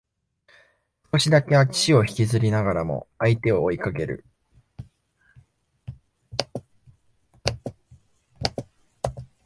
少しだけ足を引きずりながらも相手を追いかける